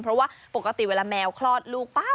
เพราะว่าปกติเวลาแมวคลอดลูกปั๊บ